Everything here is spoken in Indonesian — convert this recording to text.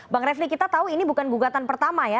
bang refli kita tahu ini bukan gugatan pertama ya